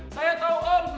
saya tau om